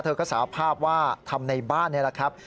เธอก็สาภาพว่าทำในบ้านนี่แหละครับ